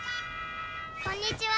「こんにちは」